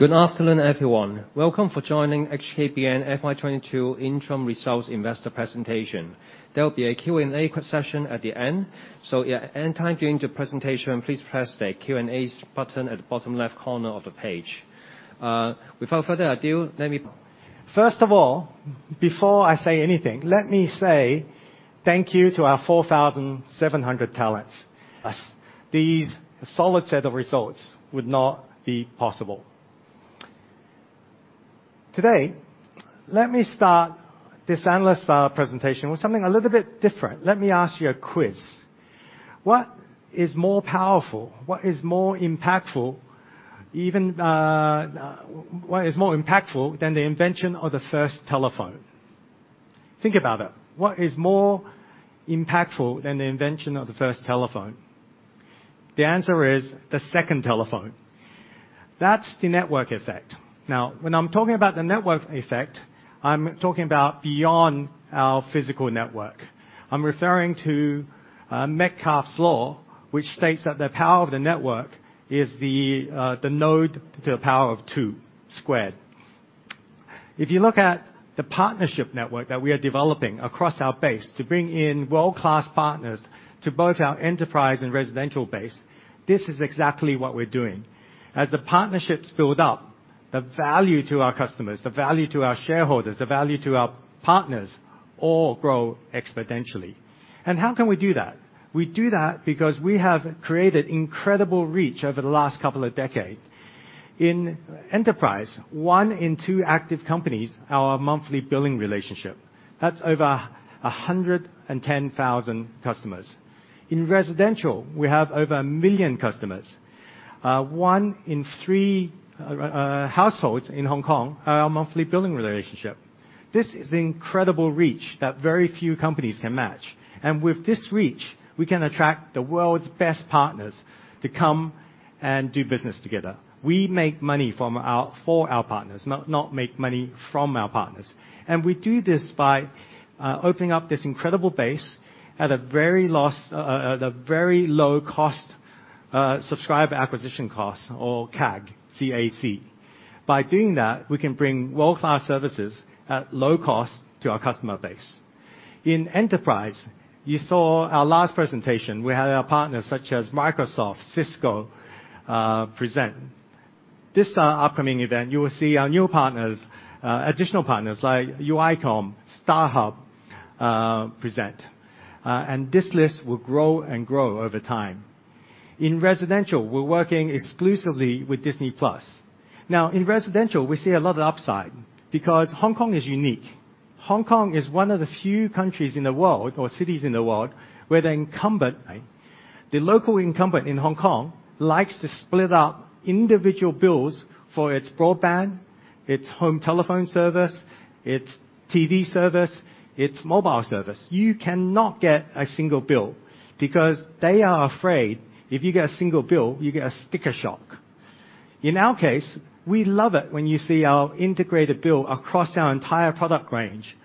Good afternoon, everyone. Welcome for joining HKBN FY 2022 interim results investor presentation. There will be a Q&A session at the end. Any time during the presentation, please press the Q&A button at the bottom left corner of the page. Without further ado, let me... first of all, before I say anything, let me say thank you to our 4,700 talents. Us. These solid set of results would not be possible. Today, let me start this analyst presentation with something a little bit different. Let me ask you a quiz. What is more powerful? What is more impactful even. What is more impactful than the invention of the first telephone? Think about it. What is more impactful than the invention of the first telephone? The answer is the second telephone. That's the network effect. Now, when I'm talking about the network effect, I'm talking about beyond our physical network. I'm referring to Metcalfe's law, which states that the power of the network is the node to the power of two, squared. If you look at the partnership network that we are developing across our base to bring in world-class partners to both our enterprise and residential base, this is exactly what we're doing. As the partnerships build up, the value to our customers, the value to our shareholders, the value to our partners all grow exponentially. How can we do that? We do that because we have created incredible reach over the last couple of decades. In enterprise, one in two active companies are a monthly billing relationship. That's over 110,000 customers. In residential, we have over 1 million customers. One in three households in Hong Kong are a monthly billing relationship. This is the incredible reach that very few companies can match. With this reach, we can attract the world's best partners to come and do business together. We make money for our partners, not make money from our partners. We do this by opening up this incredible base at a very low cost, subscriber acquisition cost or CAC, C-A-C. By doing that, we can bring world-class services at low cost to our customer base. In enterprise, you saw our last presentation, we had our partners such as Microsoft, Cisco, present. This upcoming event, you will see our new partners, additional partners like UiPath, StarHub, present. This list will grow and grow over time. In residential, we're working exclusively with Disney+. Now, in residential, we see a lot of upside because Hong Kong is unique. Hong Kong is one of the few countries in the world or cities in the world where the incumbent, right? The local incumbent in Hong Kong likes to split up individual bills for its broadband, its home telephone service, its TV service, its mobile service. You cannot get a single bill because they are afraid if you get a single bill, you get a sticker shock. In our case, we love it when you see our integrated bill across our entire product range.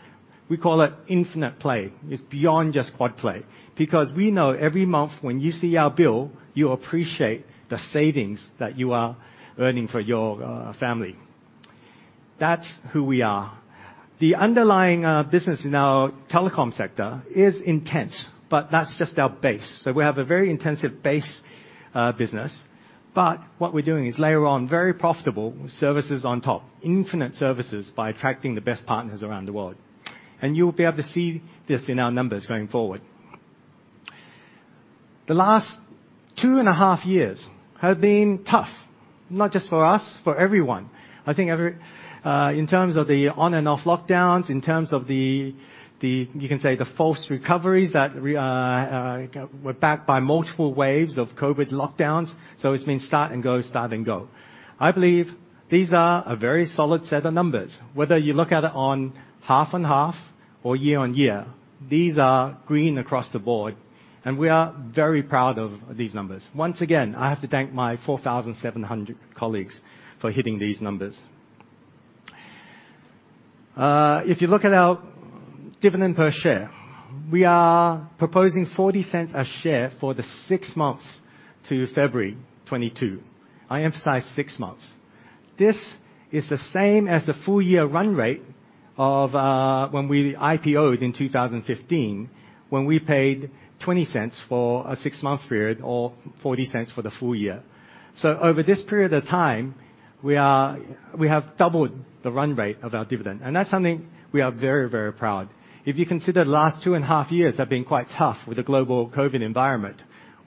We call it Infinite-play. It's beyond just quad-play. Because we know every month when you see our bill, you appreciate the savings that you are earning for your family. That's who we are. The underlying business in our telecom sector is intense, but that's just our base. We have a very intensive base business. What we're doing is layer on very profitable services on top, infinite services by attracting the best partners around the world. You'll be able to see this in our numbers going forward. The last 2.5 years have been tough, not just for us, for everyone. I think in terms of the on and off lockdowns, in terms of, you can say, the false recoveries that were backed by multiple waves of COVID lockdowns. It's been start and go, start and go. I believe these are a very solid set of numbers. Whether you look at it on half-on-half or year-on-year, these are green across the board, and we are very proud of these numbers. Once again, I have to thank my 4,700 colleagues for hitting these numbers. If you look at our dividend per share, we are proposing 0.40 per share for the six months to February 2022. I emphasize six months. This is the same as the full year run rate of when we IPO'd in 2015, when we paid 0.20 for a six-month period or 0.40 for the full year. Over this period of time, we have doubled the run rate of our dividend, and that's something we are very, very proud. If you consider the last 2.5 years have been quite tough with the global COVID environment,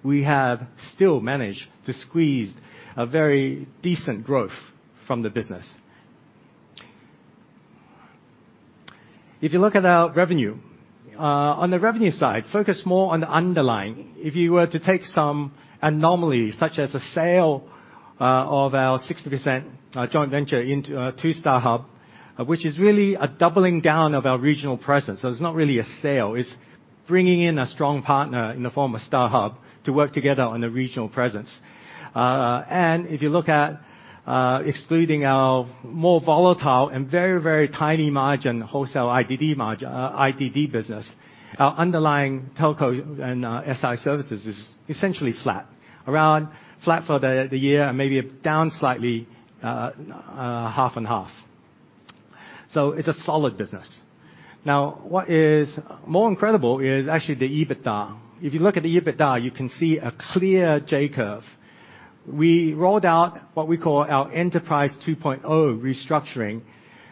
we have still managed to squeeze a very decent growth from the business. If you look at our revenue, on the revenue side, focus more on the underlying. If you were to take some anomalies, such as the sale of our 60% joint venture into to StarHub, which is really a doubling down of our regional presence. It's not really a sale, it's bringing in a strong partner in the form of StarHub to work together on the regional presence. If you look at excluding our more volatile and very, very tiny margin wholesale IDD business, our underlying telco and SI services is essentially flat. Around flat for the year and maybe down slightly, half and half. It's a solid business. Now, what is more incredible is actually the EBITDA. If you look at the EBITDA, you can see a clear J-curve. We rolled out what we call our Enterprise 2.0 restructuring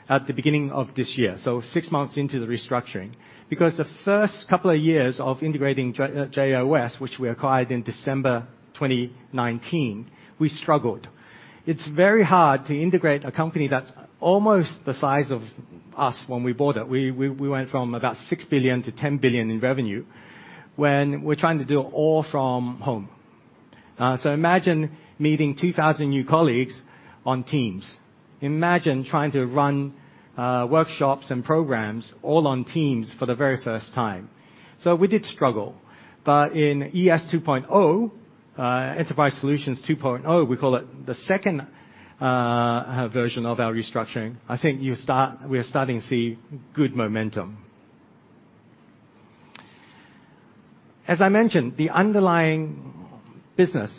at the beginning of this year, so six months into the restructuring. Because the first couple of years of integrating JOS, which we acquired in December 2019, we struggled. It's very hard to integrate a company that's almost the size of us when we bought it. We went from about 6 billion-10 billion in revenue when we're trying to do it all from home. Imagine meeting 2,000 new colleagues on Teams. Imagine trying to run workshops and programs all on Teams for the very first time. We did struggle, but in ES 2.0, Enterprise Solutions 2.0, we call it, the second version of our restructuring, we are starting to see good momentum. As I mentioned, the underlying business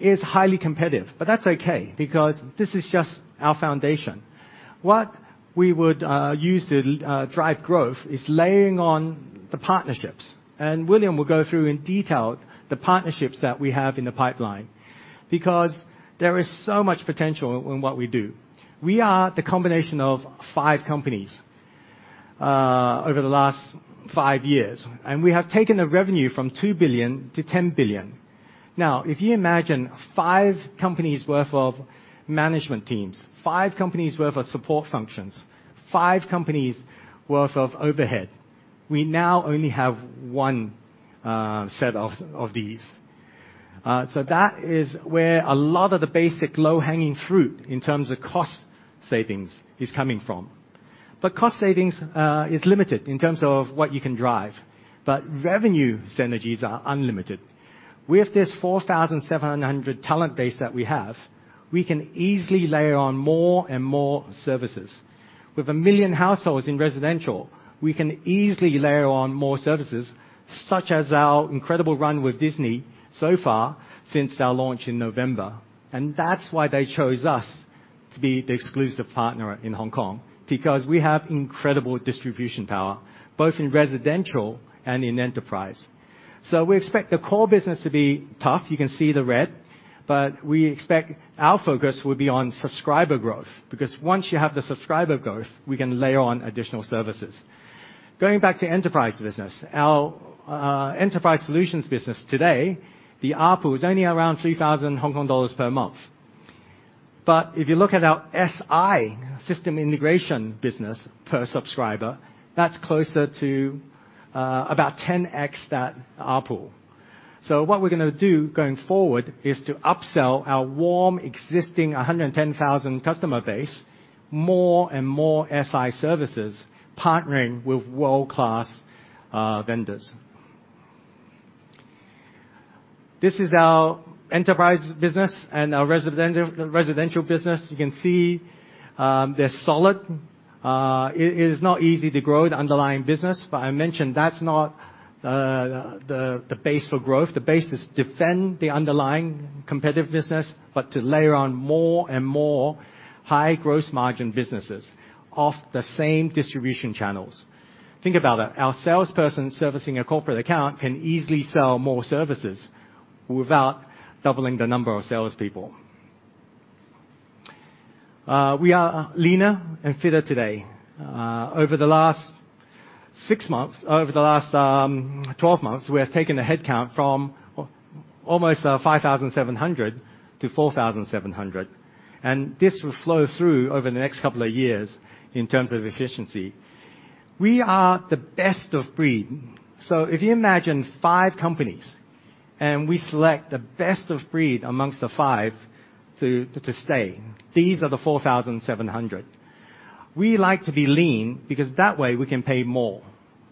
is highly competitive. That's okay, because this is just our foundation. What we would use to drive growth is layering on the partnerships, and William will go through in detail the partnerships that we have in the pipeline, because there is so much potential in what we do. We are the combination of five companies over the last five years, and we have taken the revenue from 2 billion to 10 billion. Now, if you imagine five companies worth of management teams, five companies worth of support functions, five companies worth of overhead, we now only have one set of these. That is where a lot of the basic low-hanging fruit in terms of cost savings is coming from. Cost savings is limited in terms of what you can drive, but revenue synergies are unlimited. With this 4,700 talent base that we have, we can easily layer on more and more services. With 1 million households in residential, we can easily layer on more services, such as our incredible run with Disney so far since our launch in November. That's why they chose us to be the exclusive partner in Hong Kong, because we have incredible distribution power, both in residential and in enterprise. We expect the core business to be tough. You can see the red. We expect our focus will be on subscriber growth. Because once you have the subscriber growth, we can layer on additional services. Going back to Enterprise business, our Enterprise Solutions business today, the ARPU is only around 3,000 Hong Kong dollars per month. If you look at our SI, System Integration business per subscriber, that's closer to about 10x that ARPU. What we're gonna do going forward is to upsell our warm, existing 110,000 customer base, more and more SI services, partnering with world-class vendors. This is our Enterprise business and our Residential business. You can see, they're solid. It is not easy to grow the underlying business, but I mentioned that's not the base for growth. The base is defend the underlying competitive business, but to layer on more and more high gross margin businesses off the same distribution channels. Think about that. Our salesperson servicing a corporate account can easily sell more services without doubling the number of salespeople. We are leaner and fitter today. Over the last 12 months, we have taken the headcount from almost 5,700 to 4,700, and this will flow through over the next couple of years in terms of efficiency. We are the best of breed. If you imagine five companies and we select the best of breed amongst the five to stay, these are the 4,700. We like to be lean because that way we can pay more.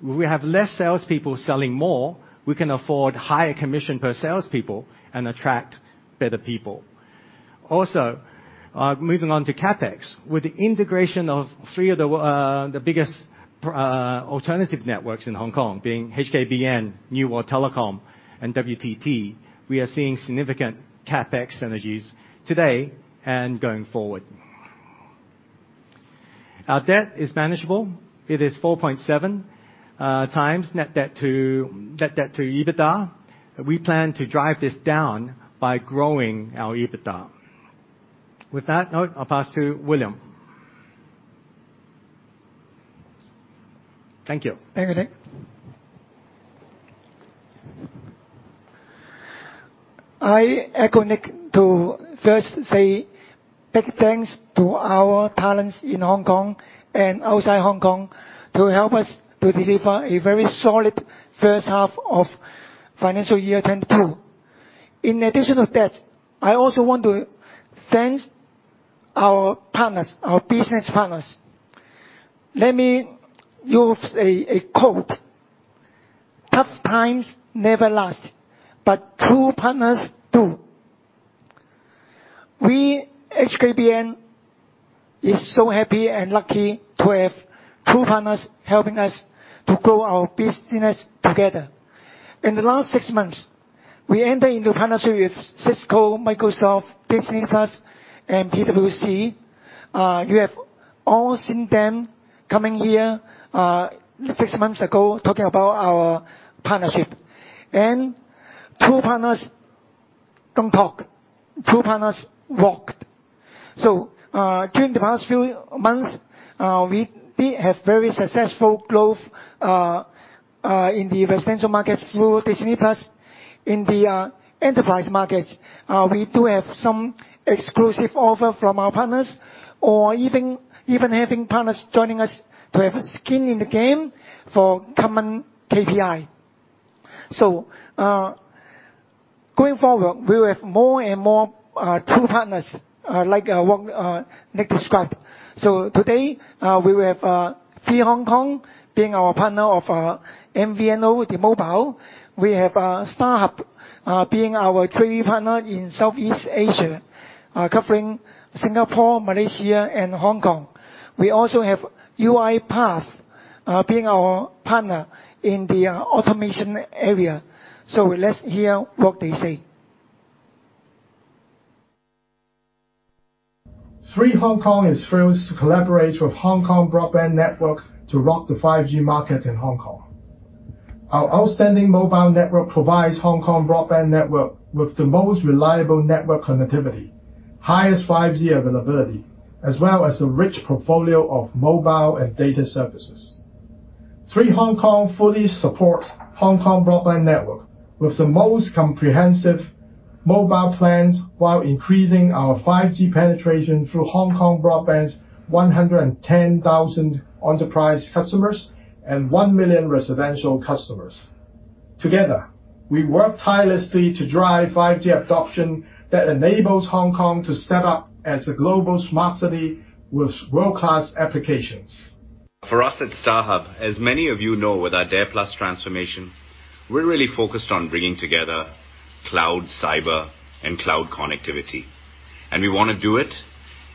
We have less salespeople selling more, we can afford higher commission per salespeople and attract better people. Also, moving on to CapEx. With the integration of three of the biggest Alternative networks in Hong Kong, being HKBN, New World Telecom, and WTT, we are seeing significant CapEx synergies today and going forward. Our debt is manageable. It is 4.7x net debt-to-EBITDA. We plan to drive this down by growing our EBITDA. With that note, I'll pass to William. Thank you. Thank you, NiQ. I echo NiQ to first say big thanks to our talents in Hong Kong and outside Hong Kong to help us to deliver a very solid first half of financial year 2022. In addition to that, I also want to thank our partners, our business partners. Let me use a quote. "Tough times never last, but true partners do." We, HKBN, is so happy and lucky to have true partners helping us to grow our business together. In the last six months, we entered into partnership with Cisco, Microsoft, Disney+, and PwC. You have all seen them coming here six months ago talking about our partnership. True partners don't talk, true partners walk. During the past few months, we have very successful growth in the residential markets through Disney+. In the enterprise markets, we do have some exclusive offer from our partners or even having partners joining us to have a skin in the game for common KPI. Going forward, we will have more and more true partners like what NiQ described. Today we will have 3 Hong Kong being our partner of our MVNO with the mobile. We have StarHub being our trading partner in Southeast Asia covering Singapore, Malaysia, and Hong Kong. We also have UiPath being our partner in the automation area. Let's hear what they say. 3 Hong Kong is thrilled to collaborate with Hong Kong Broadband Network to rock the 5G market in Hong Kong. Our outstanding mobile network provides Hong Kong Broadband Network with the most reliable network connectivity, highest 5G availability, as well as a rich portfolio of mobile and data services. 3 Hong Kong fully supports Hong Kong Broadband Network with the most comprehensive mobile plans while increasing our 5G penetration through Hong Kong Broadband Network's 110,000 enterprise customers and 1 million residential customers. Together, we work tirelessly to drive 5G adoption that enables Hong Kong to step up as a global smart city with world-class applications. For us at StarHub, as many of you know with our DARE+ transformation, we're really focused on bringing together Cloud, Cyber, and Connectivity, and we wanna do it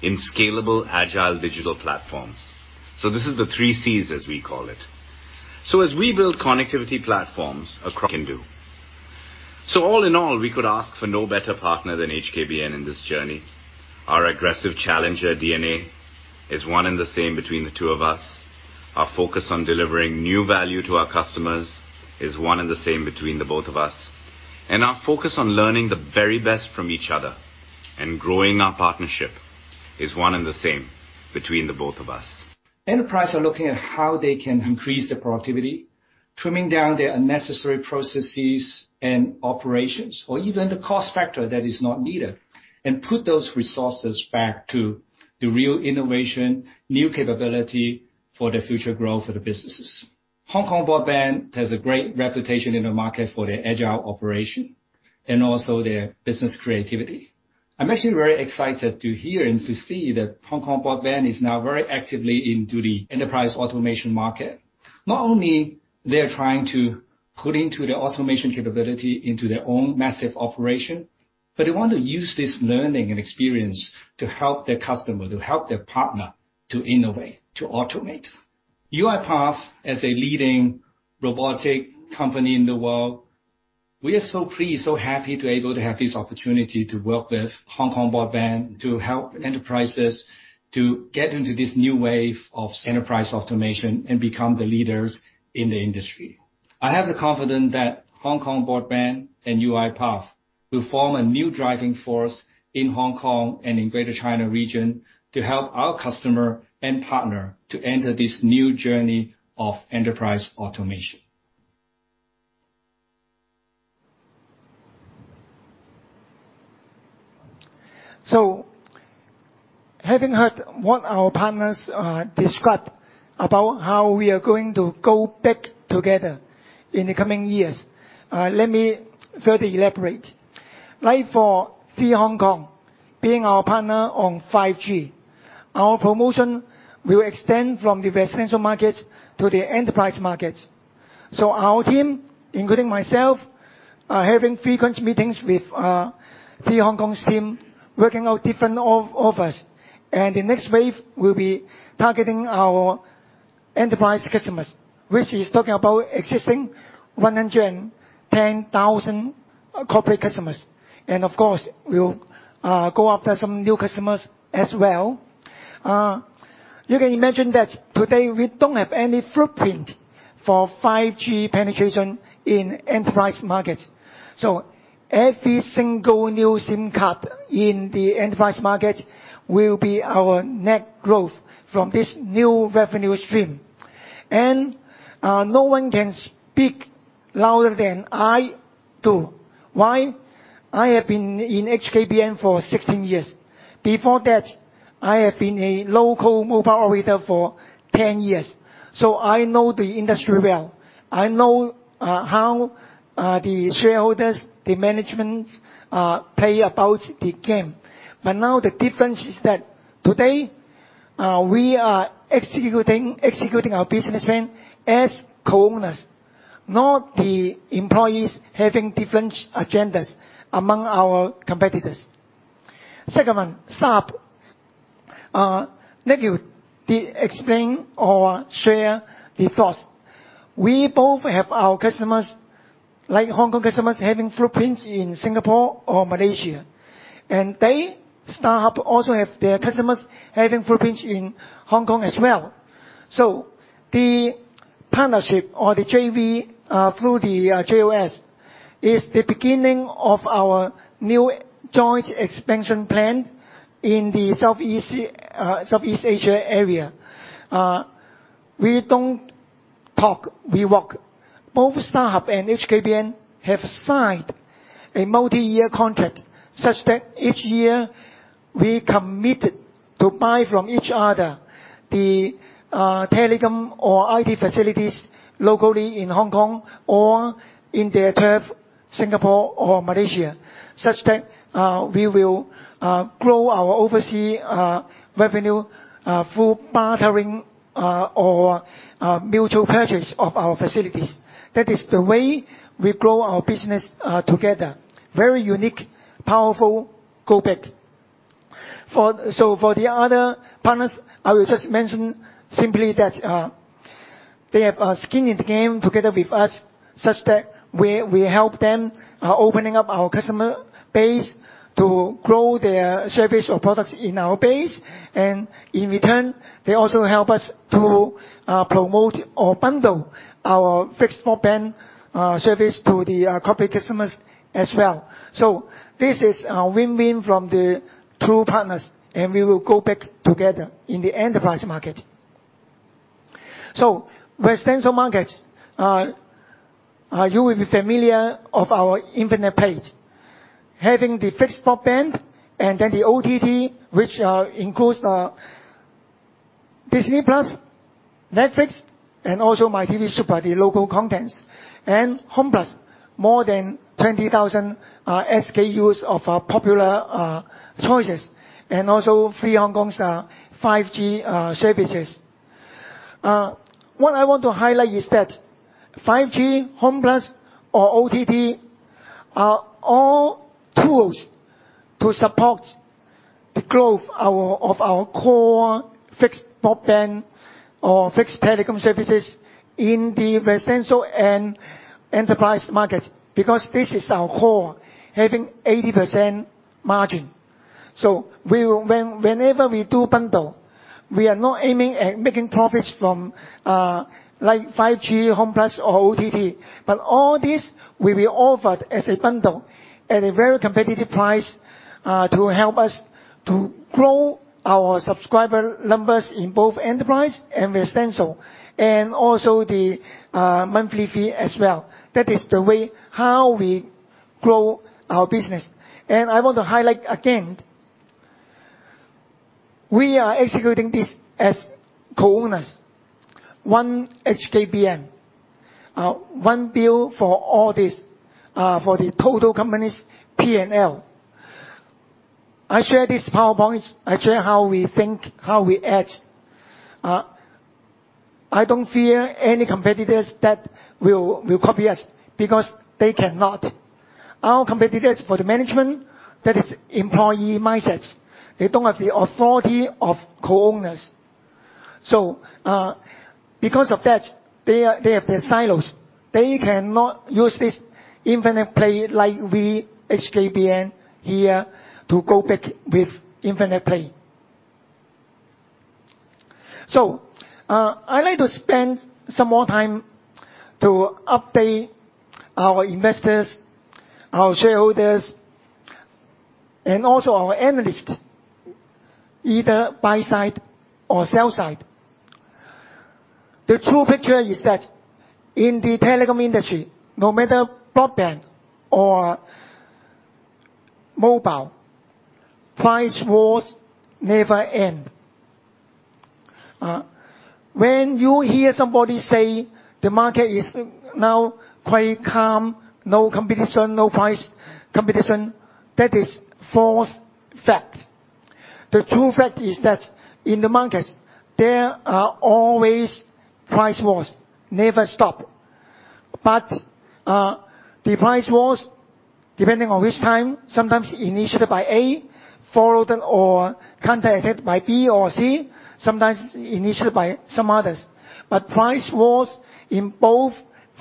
in scalable, agile digital platforms. This is the three Cs, as we call it. As we build connectivity platforms, can do. All in all, we could ask for no better partner than HKBN in this journey. Our aggressive challenger DNA is one and the same between the two of us. Our focus on delivering new value to our customers is one and the same between the both of us. Our focus on learning the very best from each other and growing our partnership is one and the same between the both of us. Enterprises are looking at how they can increase their productivity, trimming down their unnecessary processes and operations, or even the cost factor that is not needed, and put those resources back to the real innovation, new capability for the future growth of the businesses. Hong Kong Broadband has a great reputation in the market for their agile operation and also their business creativity. I'm actually very excited to hear and to see that Hong Kong Broadband is now very actively into the enterprise automation market. Not only they're trying to put the automation capability into their own massive operation, but they want to use this learning and experience to help their customer, to help their partner to innovate, to automate. UiPath, as a leading robotics company in the world, we are so pleased, so happy to be able to have this opportunity to work with Hong Kong Broadband to help enterprises to get into this new wave of enterprise automation and become the leaders in the industry. I have the confidence that Hong Kong Broadband and UiPath will form a new driving force in Hong Kong and in Greater China region to help our customer and partner to enter this new journey of enterprise automation. Having heard what our partners described about how we are going to go big together in the coming years, let me further elaborate. Like for 3 Hong Kong, being our partner on 5G, our promotion will extend from the residential markets to the enterprise markets. Our team, including myself, are having frequent meetings with 3 Hong Kong's team, working out different offers. The next wave will be targeting our enterprise customers, which is talking about existing 110,000 corporate customers. Of course, we will go after some new customers as well. You can imagine that today we don't have any footprint for 5G penetration in enterprise markets. Every single new SIM card in the enterprise market will be our net growth from this new revenue stream. No one can speak louder than I do. Why? I have been in HKBN for 16 years. Before that, I have been a local mobile operator for 10 years. I know the industry well. I know how the shareholders, the managements play the game. Now the difference is that today we are executing our business plan as co-owners, not the employees having different agendas among our competitors. Second one, StarHub, let me explain or share the thoughts. We both have our customers, like Hong Kong customers having footprints in Singapore or Malaysia, and they, StarHub, also have their customers having footprints in Hong Kong as well. The partnership or the JV through the JOS is the beginning of our new joint expansion plan in the Southeast Asia area. We don't talk, we work. Both StarHub and HKBN have signed a multi-year contract such that each year we committed to buy from each other the telecom or IT facilities locally in Hong Kong or in their turf, Singapore or Malaysia. Such that we will grow our overseas revenue through bartering or mutual purchase of our facilities. That is the way we grow our business together. Very unique, powerful go big. For the other partners, I will just mention simply that they have skin in the game together with us, such that we help them opening up our customer base to grow their service or products in our base. In return, they also help us to promote or bundle our fixed broadband service to the corporate customers as well. This is a win-win from the two partners, and we will go big together in the enterprise market. Residential markets, you will be familiar with our Infinite-play. Having the fixed broadband and then the OTT, which includes Disney+, Netflix, and also myTV SUPER, the local contents. Home+ more than 20,000 SKUs of our popular choices, and also 3 Hong Kong's 5G services. What I want to highlight is that 5G, Home+ or OTT are all tools to support the growth of our core fixed broadband or fixed telecom services in the residential and enterprise markets, because this is our core, having 80% margin. Whenever we do bundle, we are not aiming at making profits from like 5G, Home+ or OTT. All this will be offered as a bundle at a very competitive price, to help us to grow our subscriber numbers in both enterprise and residential, and also the monthly fee as well. That is the way how we grow our business. I want to highlight again, we are executing this as co-owners. One HKBN, one bill for all this, for the total company's P&L. I share this PowerPoint, I share how we think, how we act. I don't fear any competitors that will copy us because they cannot. Our competitors for the management, that is employee mindsets. They don't have the authority of co-owners. Because of that, they have their silos. They cannot use this Infinite Play like we HKBN here to go big with Infinite-play. I'd like to spend some more time to update our investors, our shareholders, and also our analysts, either buy side or sell side. The true picture is that in the telecom industry, no matter broadband or mobile, price wars never end. When you hear somebody say the market is now quite calm, no competition, no price competition, that is false facts. The true fact is that in the markets there are always price wars, never stop. The price wars, depending on which time, sometimes initiated by A, followed or counterattacked by B or C, sometimes initiated by some others. Price wars in both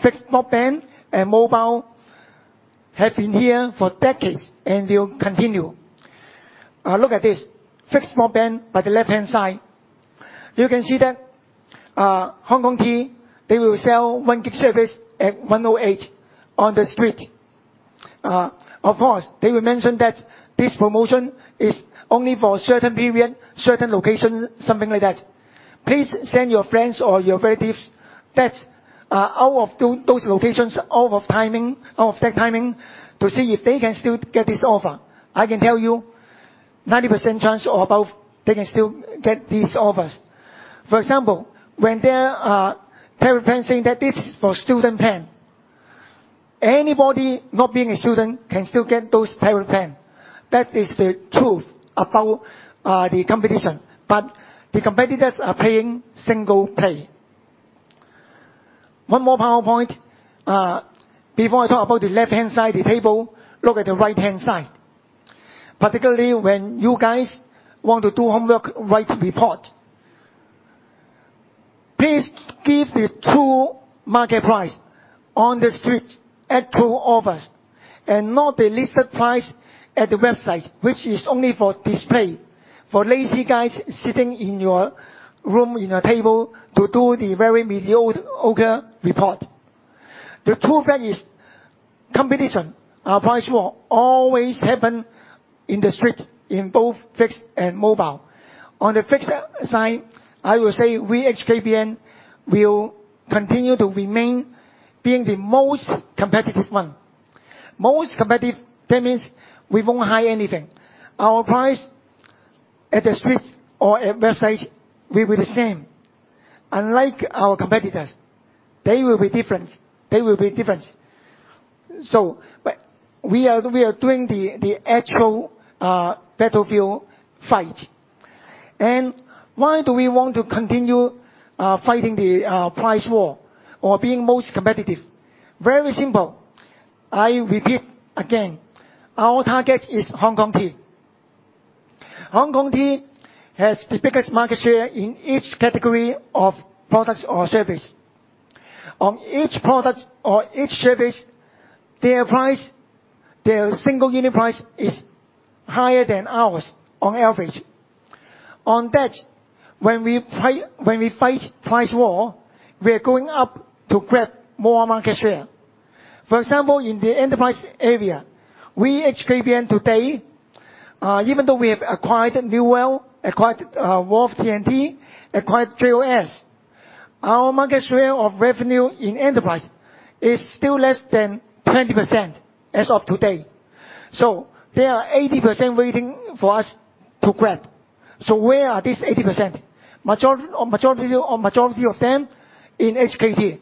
fixed broadband and mobile have been here for decades and will continue. Look at this. Fixed broadband by the left-hand side. You can see that, HKT, they will sell 1 gig service at 108 on the street. Of course, they will mention that this promotion is only for a certain period, certain location, something like that. Please send your friends or your relatives that, out of those locations, out of timing, out of that timing to see if they can still get this offer. I can tell you 90% chance or above they can still get these offers. For example, when there are tariff plans saying that it's for student plan, anybody not being a student can still get those tariff plan. That is the truth about, the competition, but the competitors are playing single play. One more PowerPoint. Before I talk about the left-hand side of the table, look at the right-hand side. Particularly when you guys want to do homework, write report. Please give the true market price on the street at true offers and not the listed price at the website, which is only for display, for lazy guys sitting in your room, in a table to do the very mediocre report. The true fact is competition. Our price war always happen in the street, in both fixed and mobile. On the fixed side, I will say we, HKBN, will continue to remain being the most competitive one. Most competitive, that means we won't hide anything. Our price at the streets or at websites will be the same. Unlike our competitors, they will be different. We are doing the actual battlefield fight. Why do we want to continue fighting the price war or being most competitive? Very simple. I repeat again, our target is HKT. HKT has the biggest market share in each category of products or service. On each product or each service, their price, their single unit price is higher than ours on average. On that, when we fight price war, we are going up to grab more market share. For example, in the enterprise area, we HKBN today, even though we have acquired New World Telecom, WTT, JOS, our market share of revenue in enterprise is still less than 20% as of today. There are 80% waiting for us to grab. Where are these 80%? Majority of them in HKT.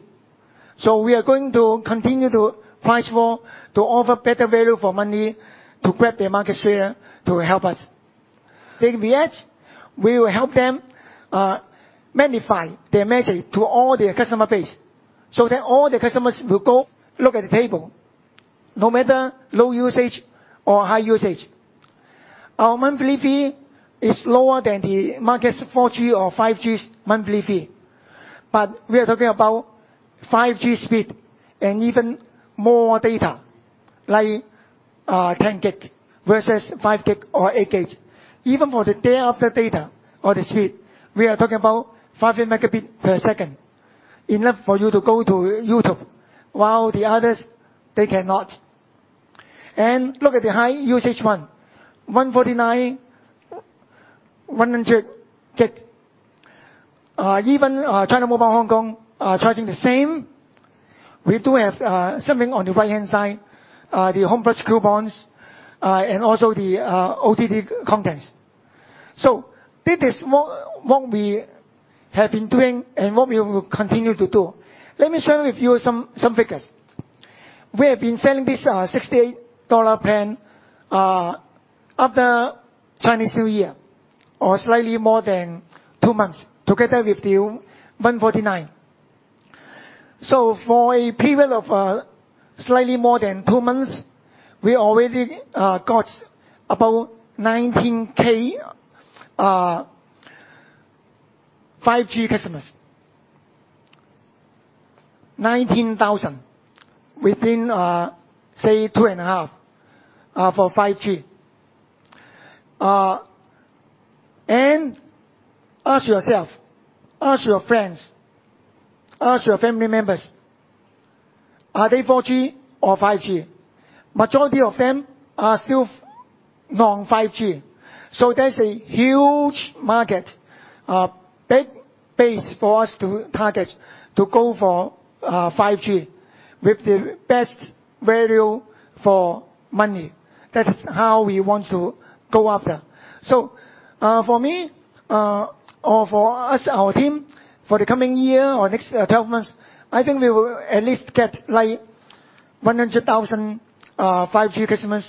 We are going to continue to price war to offer better value for money to grab their market share to help us. In 3 Hong Kong, we will help them magnify their message to all their customer base so that all the customers will go look at the table, no matter low usage or high usage. Our monthly fee is lower than the market's 4G or 5G's monthly fee. We are talking about 5G speed and even more data, like 10 gig versus 5 gig or 8 gig. Even for the day after data or the speed, we are talking about 5 Mb per second, enough for you to go to YouTube, while the others, they cannot. Look at the high usage one, 149, 100 gig. Even China Mobile Hong Kong are charging the same. We do have something on the right-hand side, the HOME+ coupons, and also the OTT contents. This is more what we have been doing and what we will continue to do. Let me share with you some figures. We have been selling this 68 dollar plan after Chinese New Year or slightly more than two months, together with the 149. For a period of slightly more than two months, we already got about 19,000 5G customers. 19,000 within say 2.5 months for 5G. Ask yourself, ask your friends, ask your family members, are they 4G or 5G? Majority of them are still non-5G. There's a huge market, big base for us to target to go for 5G with the best value for money. That's how we want to go after. For me, or for us, our team, for the coming year or next twelve months, I think we will at least get, like, 100,000 5G customers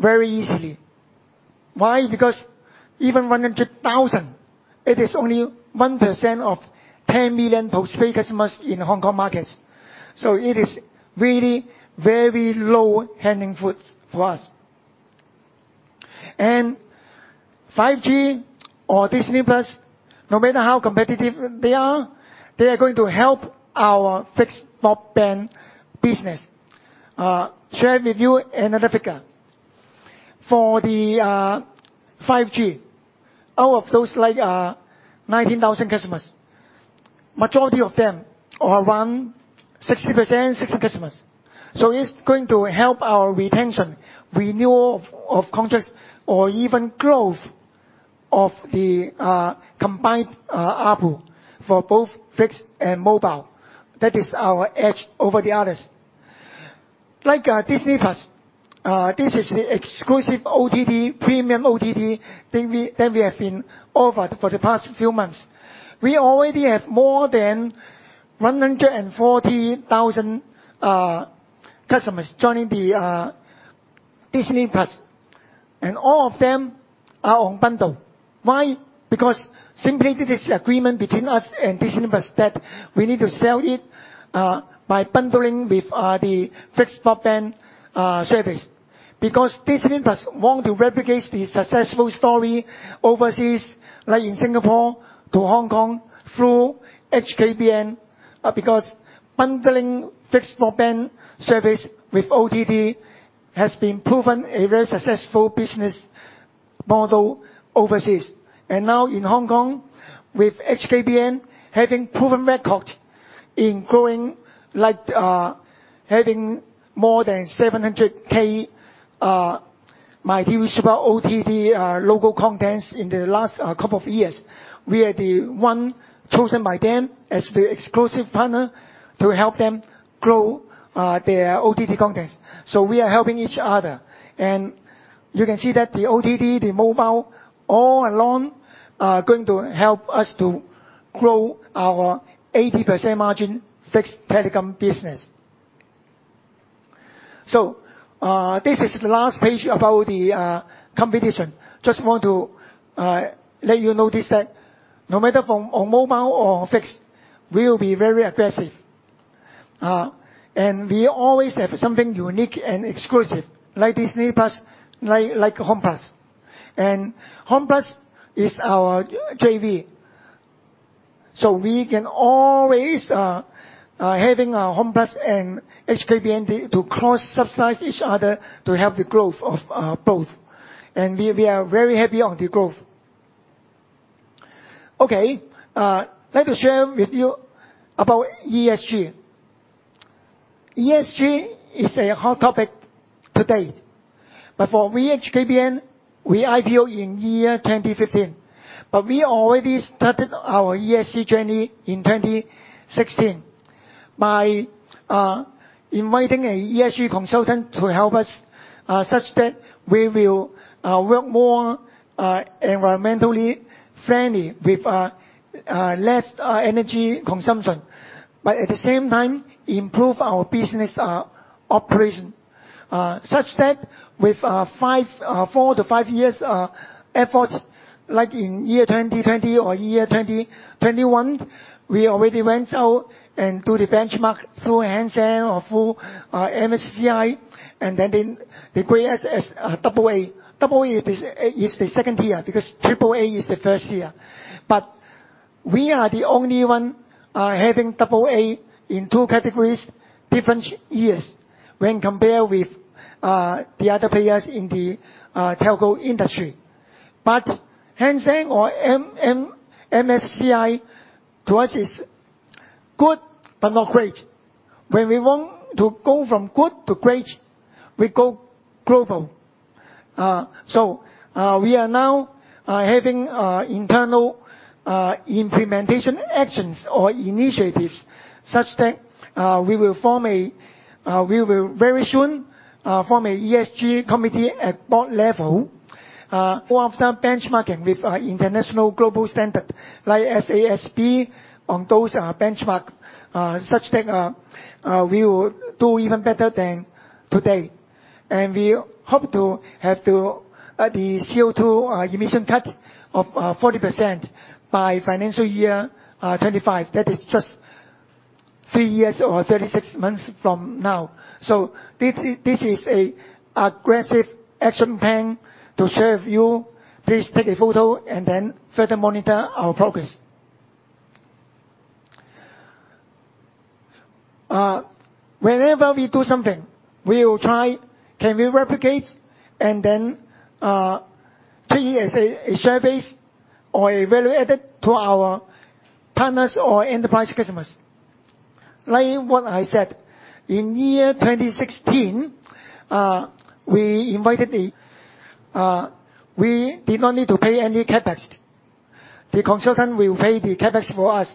very easily. Why? Because even 100,000, it is only 1% of 10 million postpaid customers in Hong Kong markets. It is really very low hanging fruits for us. 5G or Disney+, no matter how competitive they are, they are going to help our fixed broadband business. Share with you another figure. For the 5G, out of those, like, 19,000 customers, majority of them are around 60%, 60 customers. It's going to help our retention, renewal of contracts, or even growth of the combined ARPU for both fixed and mobile. That is our edge over the others. Like, Disney+, this is the exclusive OTT, premium OTT that we have been offered for the past few months. We already have more than 140,000 customers joining Disney+. All of them are on bundle. Why? Because simply this is agreement between us and Disney+ that we need to sell it by bundling with the fixed broadband service. Because Disney+ want to replicate the successful story overseas, like in Singapore to Hong Kong through HKBN, because bundling fixed broadband service with OTT has been proven a very successful business model overseas. Now in Hong Kong, with HKBN having proven record in growing like, having more than 700,000 myTV SUPER OTT local contents in the last couple of years. We are the one chosen by them as the exclusive partner to help them grow their OTT contents. We are helping each other. You can see that the OTT, the mobile, all along are going to help us to grow our 80% margin fixed telecom business. This is the last page about the competition. Just want to let you notice that no matter from on mobile or on fixed, we will be very aggressive. We always have something unique and exclusive, like Disney+, like HOME+. HOME+ is our JV. We can always having our HOME+ and HKBN to cross-subsidize each other to help the growth of both. We are very happy on the growth. Okay. Let me share with you about ESG. ESG is a hot topic today. For we HKBN, we IPO in year 2015, but we already started our ESG journey in 2016 by inviting an ESG consultant to help us such that we will work more environmentally friendly with less energy consumption. At the same time, improve our business operation such that with four to five years efforts, like in year 2020 or year 2021, we already went out and do the benchmark through Hang Seng or through MSCI, and then they grade us as AA. Double A is the second tier, because AAA is the first tier. We are the only one having AA in two categories, different years when compared with the other players in the telco industry. Hang Seng or MSCI to us is good, but not great. When we want to go from good to great, we go global. We are now having internal implementation actions or initiatives such that we will very soon form an ESG committee at board level after benchmarking with international global standard, like SASB on those benchmark such that we will do even better than today. We hope to have the CO2 emission cut of 40% by financial year 2025. That is just 3 years or 36 months from now. This is an aggressive action plan to share with you. Please take a photo and then further monitor our progress. Whenever we do something, we will try, can we replicate and then treat it as a share base or a value added to our partners or enterprise customers. Like what I said, in year 2016, we did not need to pay any CapEx. The consultant will pay the CapEx for us.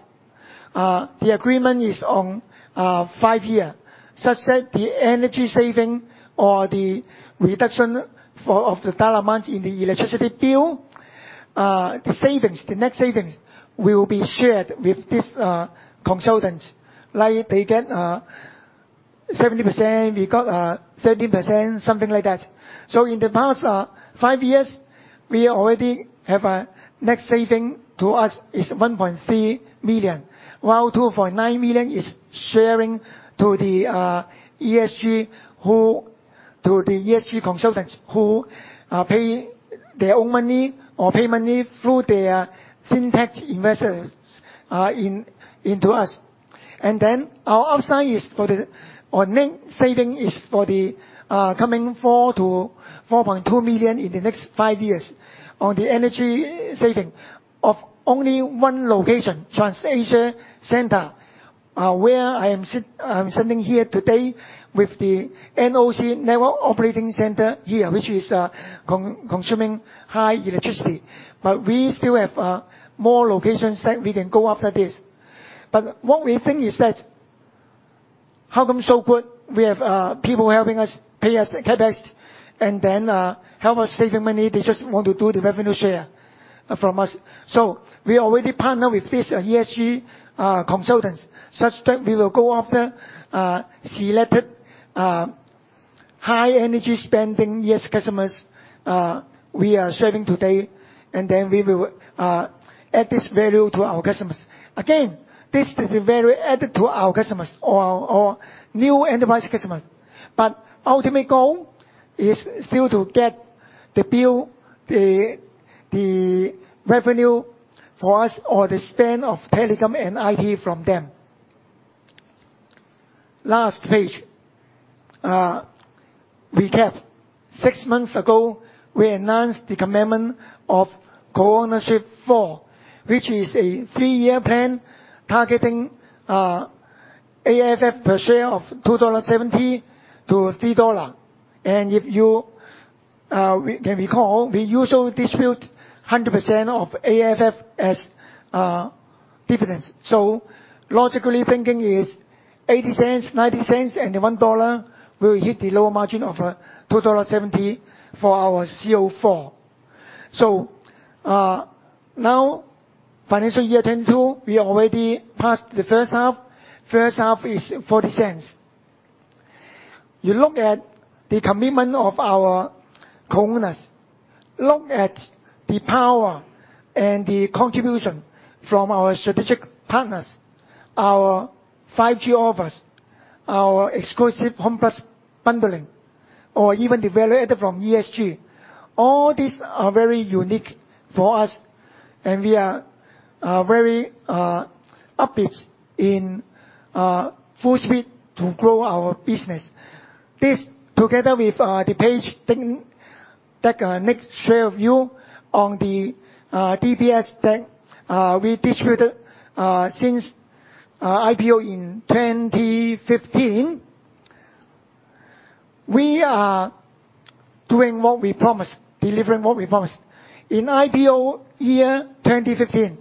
The agreement is on a five-year, such that the energy saving or the reduction of the dollar amount in the electricity bill, the savings, the net savings will be shared with this consultant. Like they get 70%, we got 30%, something like that. In the past five years, we already have a net saving to us is 1.3 million, while 2.9 million is sharing to the ESG consultants who pay their own money or pay money through their Fintech investors into us. Our upside is or net saving is for the coming 4 million-4.2 million in the next five years on the energy saving of only one location, Trans Asia Centre, where I am sitting here today with the NOC, Network Operating Center here, which is consuming high electricity. We still have more locations that we can go after this. What we think is that, how come so good, we have people helping us pay us CapEx, and then help us saving money, they just want to do the revenue share from us. We already partner with this ESG consultants, such that we will go after selected high energy spending ESG customers we are serving today, and then we will add this value to our customers. Again, this is a value added to our customers or our new enterprise customer. Ultimate goal is still to get the bill, the revenue for us or the spend of telecom and IT from them. Last page. Recap. Six months ago, we announced the commitment of Co-Ownership Four, which is a three-year plan targeting AFF per share of 2.70-3.00 dollar. If you can recall, we usually distribute 100% of AFF as dividends. Logically thinking is 0.80, 0.90, and 1.00 dollar will hit the lower margin of 2.70 dollars for our CO4. Now financial year 2022, we already passed the first half. First half is 0.40. You look at the commitment of our co-owners, look at the power and the contribution from our strategic partners, our 5G offers, our exclusive HOME+ bundling, or even the value added from ESG. All these are very unique for us, and we are very upbeat in full speed to grow our business. This together with the page that NiQ share with you on the DPS deck, we distributed since IPO in 2015. We are doing what we promised, delivering what we promised. In IPO year 2015,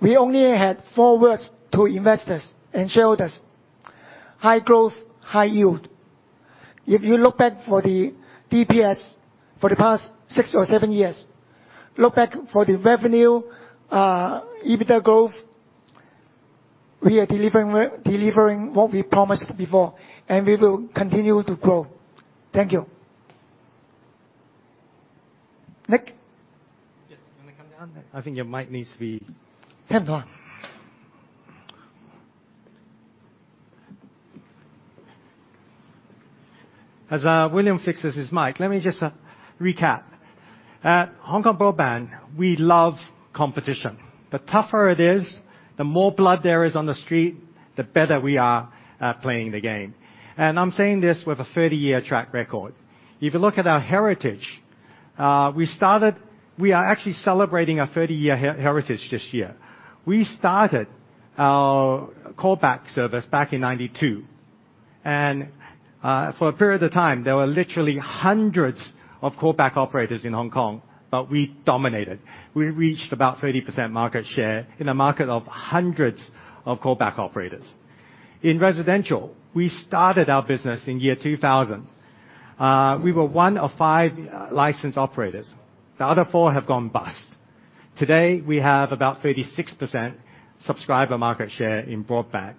we only had four words to investors and shareholders. High growth, high yield. If you look back for the DPS for the past six or seven years, look back for the revenue, EBITDA growth, we are delivering what we promised before, and we will continue to grow. Thank you. NiQ? Yes. You wanna come down? I think your mic needs to be turned on. As William fixes his mic, let me just recap. At Hong Kong Broadband, we love competition. The tougher it is, the more blood there is on the street, the better we are at playing the game. I'm saying this with a 30-year track record. If you look at our heritage, we are actually celebrating our 30-year heritage this year. We started our callback service back in 1992, and for a period of time, there were literally hundreds of callback operators in Hong Kong, but we dominated. We reached about 30% market share in a market of hundreds of callback operators. In residential, we started our business in year 2000. We were one of five licensed operators. The other four have gone bust. Today, we have about 36% subscriber market share in broadband.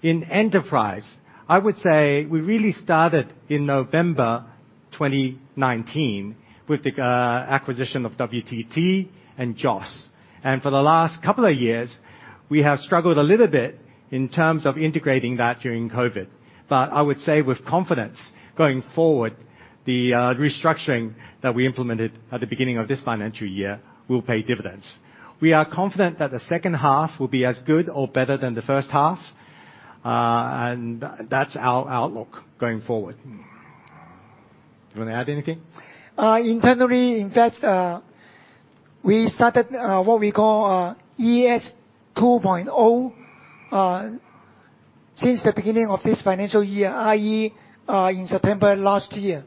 In enterprise, I would say we really started in November 2019 with the acquisition of WTT and JOS. For the last couple of years, we have struggled a little bit in terms of integrating that during COVID. I would say with confidence going forward, the restructuring that we implemented at the beginning of this financial year will pay dividends. We are confident that the second half will be as good or better than the first half, and that's our outlook going forward. Do you wanna add anything? Internally, in fact, we started what we call ES 2.0 since the beginning of this financial year, i.e., in September last year.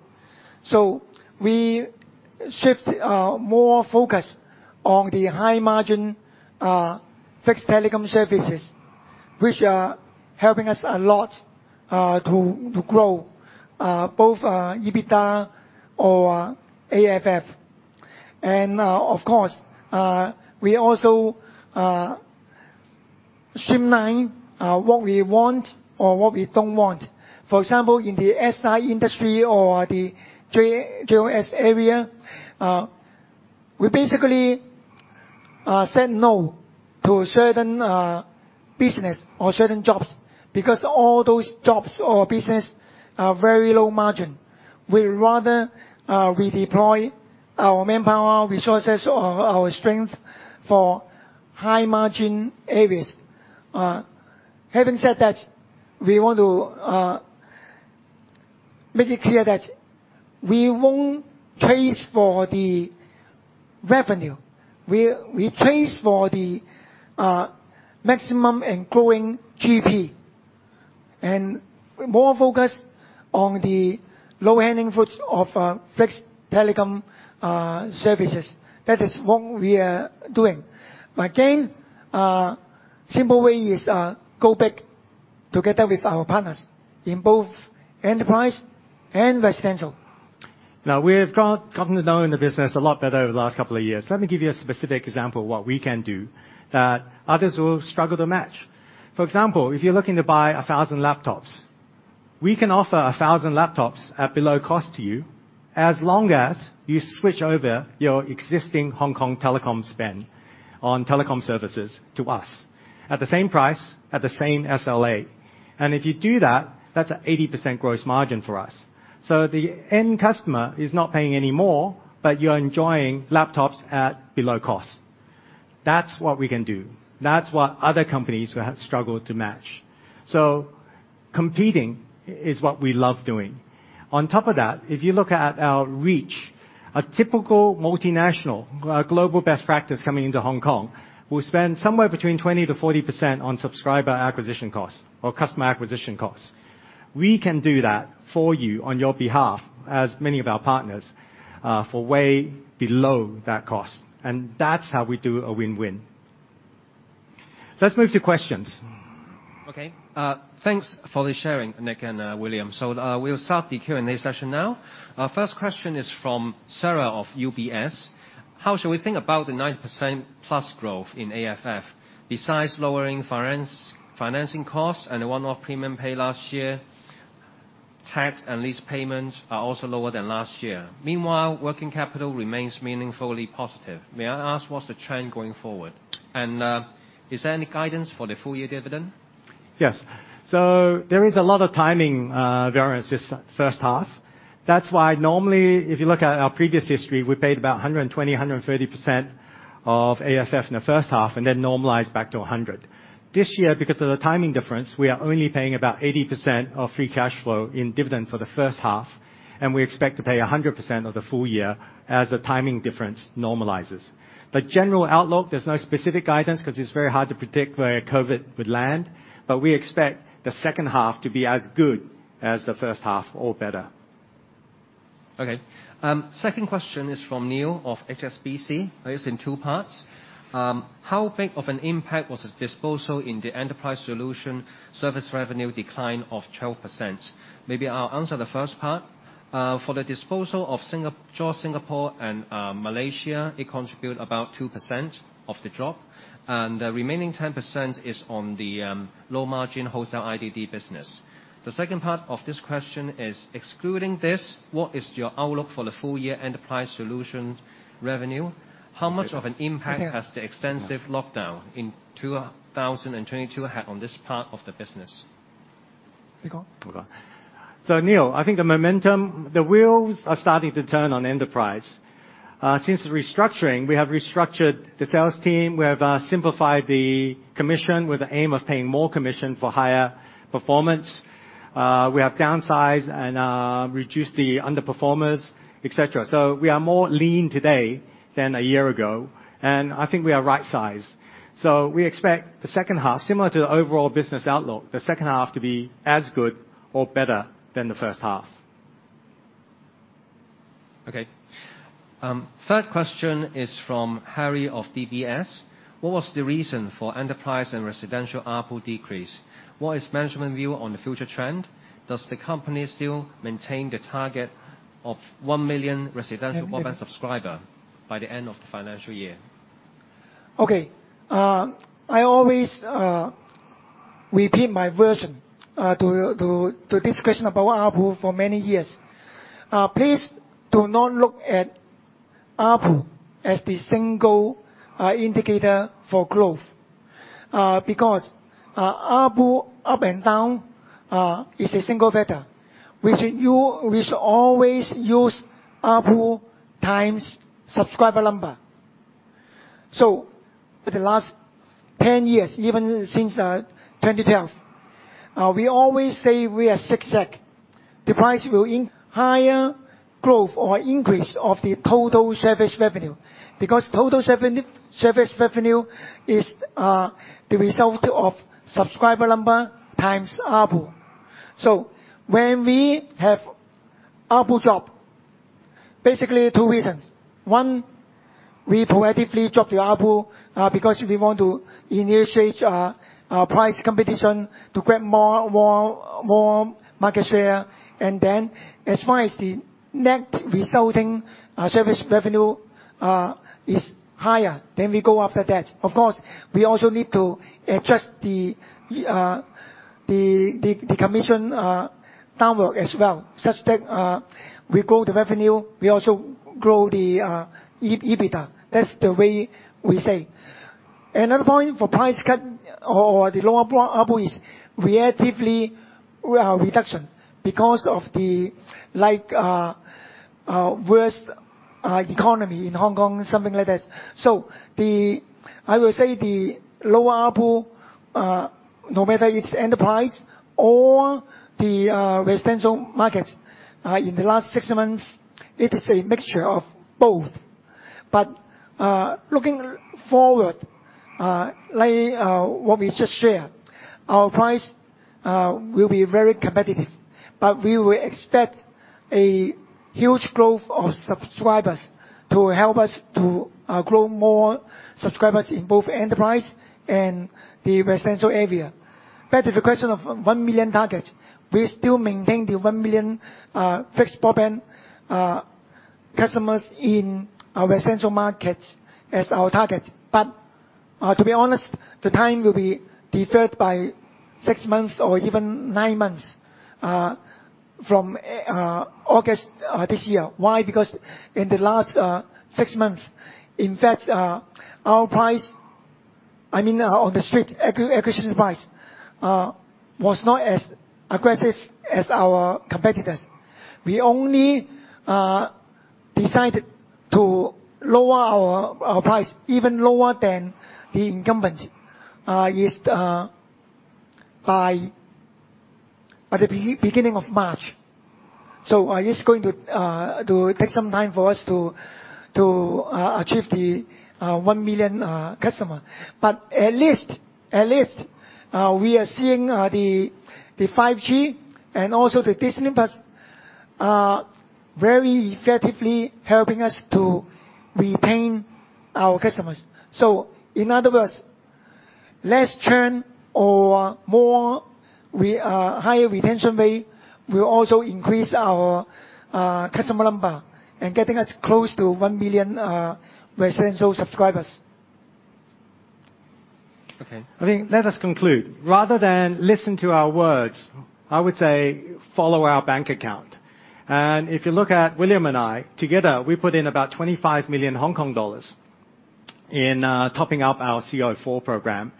We shift more focus on the high margin fixed telecom services, which are helping us a lot to grow both EBITDA or AFF. Of course, we also streamline what we want or what we don't want. For example, in the SI industry or the JOS area, we basically said no to certain business or certain jobs because all those jobs or business are very low margin. We rather deploy our manpower, resources or our strength for high margin areas. Having said that, we want to make it clear that we won't chase for the revenue. We chase for the maximum and growing GP. More focused on the low-hanging fruits of fixed telecom services. That is what we are doing. Again, simple way is go back together with our partners in both enterprise and residential. Now, we've gotten to know the business a lot better over the last couple of years. Let me give you a specific example of what we can do that others will struggle to match. For example, if you're looking to buy 1,000 laptops, we can offer 1,000 laptops at below cost to you as long as you switch over your existing Hong Kong Telecom spend on telecom services to us at the same price, at the same SLA. If you do that's an 80% gross margin for us. The end customer is not paying any more, but you're enjoying laptops at below cost. That's what we can do. That's what other companies will struggle to match. Competing is what we love doing. On top of that, if you look at our reach, a typical multinational, global best practice coming into Hong Kong, will spend somewhere between 20%-40% on subscriber acquisition costs or customer acquisition costs. We can do that for you on your behalf, as many of our partners, for way below that cost, and that's how we do a win-win. Let's move to questions. Okay. Thanks for the sharing, NiQ and William. We'll start the Q&A session now. Our first question is from Sarah of UBS. How should we think about the 9%+ growth in AFF besides lowering financing costs and the one-off premium paid last year? Tax and lease payments are also lower than last year. Meanwhile, working capital remains meaningfully positive. May I ask, what's the trend going forward? And, is there any guidance for the full-year dividend? Yes. There is a lot of timing variance this first half. That's why normally, if you look at our previous history, we paid about 120%-130% of AFF in the first half and then normalized back to 100%. This year, because of the timing difference, we are only paying about 80% of free cash flow in dividend for the first half, and we expect to pay 100% of the full year as the timing difference normalizes. The general outlook, there's no specific guidance 'cause it's very hard to predict where COVID would land, but we expect the second half to be as good as the first half, or better. Okay. Second question is from Neale Anderson of HSBC. It's in two parts. How big of an impact was the disposal in the Enterprise Solutions service revenue decline of 12%? Maybe I'll answer the first part. For the disposal of just Singapore and Malaysia, it contribute about 2% of the drop, and the remaining 10% is on the low margin wholesale IDD business. The second part of this question is, excluding this, what is your outlook for the full year Enterprise Solutions revenue? How much of an impact has the extensive lockdown in 2022 had on this part of the business? Neale, I think the momentum, the wheels are starting to turn on Enterprise. Since the restructuring, we have restructured the sales team, we have simplified the commission with the aim of paying more commission for higher performance. We have downsized and reduced the underperformers, et cetera. We are more lean today than a year ago, and I think we are right size. We expect the second half similar to the overall business outlook, the second half to be as good or better than the first half. Okay. Third question is from Harry of DBS. What was the reason for enterprise and residential ARPU decrease? What is management view on the future trend? Does the company still maintain the target of 1 million residential- ARPU broadband subscriber by the end of the financial year? I always repeat my version to this question about ARPU for many years. Please do not look at ARPU as the single indicator for growth. Because ARPU up and down is a single factor. We should always use ARPU times subscriber number. For the last 10 years, even since 2012, we always say we are zigzag. This will lead to higher growth or increase in the total service revenue. Because total service revenue is the result of subscriber number times ARPU. When we have ARPU drop, basically two reasons. One, we proactively drop the ARPU because we want to initiate price competition to grab more market share. Then as far as the net resulting service revenue is higher, then we go after that. Of course, we also need to adjust the commission downward as well, such that we grow the revenue, we also grow the EBITDA. That's the way we say. Another point for price cut or the lower ARPU is reactive reduction because of the, like, worse economy in Hong Kong, something like that. I will say the lower ARPU, no matter its enterprise or the residential markets, in the last six months, it is a mixture of both. Looking forward, what we just shared, our price will be very competitive. We will expect a huge growth of subscribers to help us to grow more subscribers in both enterprise and the residential area. Back to the question of 1 million targets. We still maintain the 1 million fixed broadband customers in our residential markets as our targets. To be honest, the time will be deferred by six months or even nine months from August this year. Why? Because in the last six months, in fact, our price, I mean, on the street acquisition price, was not as aggressive as our competitors. We only decided to lower our price even lower than the incumbent was by the beginning of March. It's going to take some time for us to achieve the 1 million customer. But at least we are seeing the 5G and also the Disney+ are very effectively helping us to retain our customers. In other words, less churn or higher retention rate will also increase our customer number and getting us close to 1 million residential subscribers. Okay. I mean, let us conclude. Rather than listen to our words, I would say follow our bank account. If you look at William and I, together, we put in about 25 million Hong Kong dollars in topping up our CO4 program,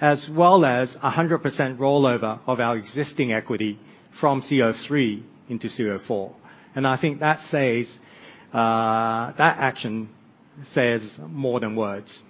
as well as a 100% rollover of our existing equity from CO3 into CO4. I think that action says more than words.